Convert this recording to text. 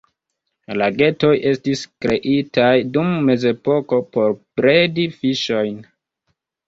Lagetoj estis kreitaj dum mezepoko por bredi fiŝojn.